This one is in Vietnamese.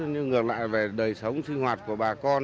nhưng ngược lại về đời sống sinh hoạt của bà con